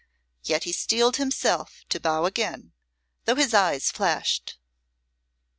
Yet he steeled himself to bow again, though his eyes flashed.